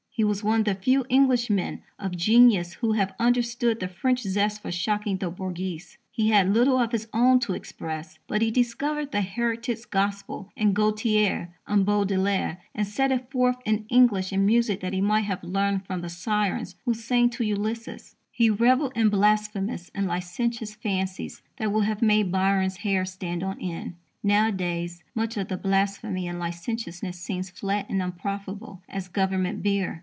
He was one of the few Englishmen of genius who have understood the French zest for shocking the bourgeois. He had little of his own to express, but he discovered the heretic's gospel in Gautier, and Baudelaire and set it forth in English in music that he might have learned from the Sirens who sang to Ulysses. He revelled in blasphemous and licentious fancies that would have made Byron's hair stand on end. Nowadays, much of the blasphemy and licentiousness seems flat and unprofitable as Government beer.